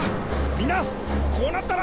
みんなこうなったら。